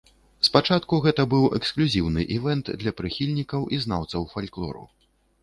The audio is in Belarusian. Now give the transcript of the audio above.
Спачатку гэта быў эксклюзіўны івэнт для прыхільнікаў і знаўцаў фальклору.